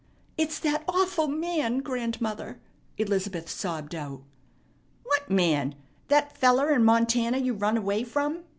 "It's that awful man, grandmother!" Elizabeth sobbed out. "What man? That feller in Montana you run away from?"